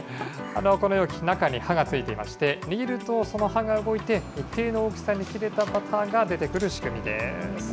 この容器、中に刃が付いてまして、握るとその刃が動いて一定の大きさに切れたバターが出てくる仕組みです。